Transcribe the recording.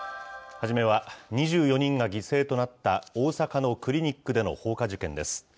初めは２４人が犠牲となった大阪のクリニックでの放火事件です。